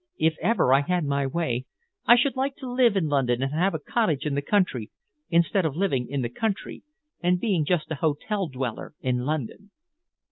If ever I had my way, I should like to live in London and have a cottage in the country, instead of living in the country and being just an hotel dweller in London."